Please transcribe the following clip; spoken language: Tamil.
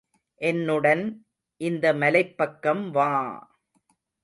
என்னுடன் இந்த மலைப்பக்கம் வா!